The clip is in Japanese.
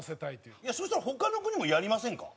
山崎：そしたら他の国もやりませんか？